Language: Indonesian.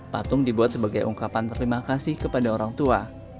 patung dibuat sebagai ungkapan terima kasih kepada orang tua